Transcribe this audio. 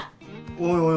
おいおい